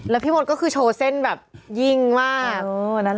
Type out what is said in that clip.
แล้วพี่มดก็คือโชว์เส้นแบบยิ่งมาก